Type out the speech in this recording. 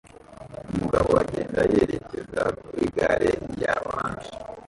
Umugabo agenda yerekeza kuri gare ya orange